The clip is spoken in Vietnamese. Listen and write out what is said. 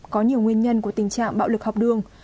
có nhiều nguyên nhân của tình trạng bạo lực học đường